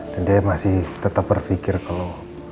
dan dia masih tetep berpikir kalo